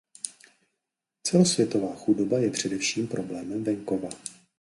Celosvětová chudoba je především problémem venkova.